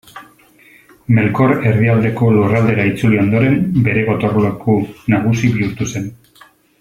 Melkor Erdialdeko Lurraldera itzuli ondoren bere gotorleku nagusi bihurtu zen.